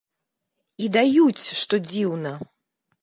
І даюць, што дзіўна.